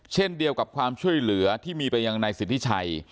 เช่นเดียวกับความช่วยเหลือที่มีไปยังนายสิทธิชัย